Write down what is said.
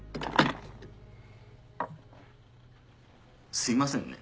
すいませんね